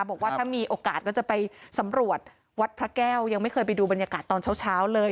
บอกว่าถ้ามีโอกาสก็จะไปสำรวจวัดพระแก้วยังไม่เคยไปดูบรรยากาศตอนเช้าเลย